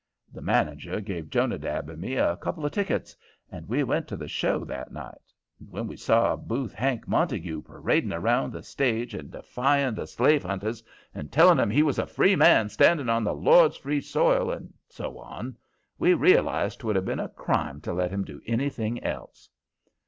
The manager gave Jonadab and me a couple of tickets, and we went to the show that night. And when we saw Booth Hank Montague parading about the stage and defying the slave hunters, and telling 'em he was a free man, standing on the Lord's free soil, and so on, we realized 'twould have been a crime to let him do anything else.